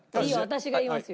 私が言いますよ。